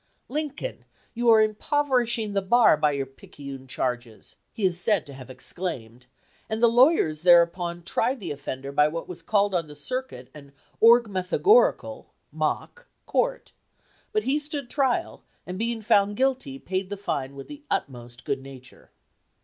"Lincoln, you are impoverish ing the bar by your picayune charges," he is said to have exclaimed; and the lawyers thereupon tried the offender by what was called on the cir cuit an "orgmathorical" (mock) court, but he stood trial, and being found guilty, paid the fine with the utmost good nature.